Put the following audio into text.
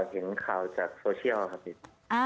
เห็นข่าวจากโซเชียลครับพี่